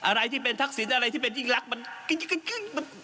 อะไรที่เป็นทักษิณอะไรที่เป็นยิ่งรักมันกิ้ง